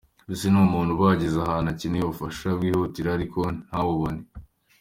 Mbese ni umuntu uba wageze ahantu akeneye ubufasha bwihutirwa ariko ntabubone.